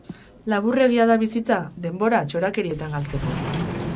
Laburregia da bizitza, denbora txorakerietan galtzeko!